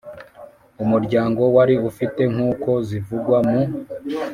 umuryango wari ufite nk uko zivungwa mu